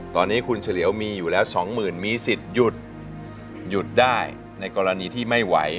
ตอนนี้คุณเฉลียวมีอยู่แล้วสองหมื่นมีสิทธิ์หยุดหยุดได้ในกรณีที่ไม่ไหว